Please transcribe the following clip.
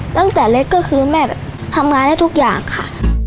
ตั้งแต่เล็กก็คือแม่แบบทำงานได้ทุกอย่างค่ะ